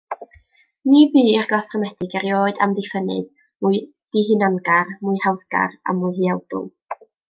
Ni bu i'r gorthrymedig erioed amddiffynnydd mwy dihunangar, mwy hawddgar, a mwy huawdl.